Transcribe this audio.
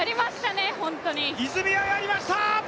泉谷やりました！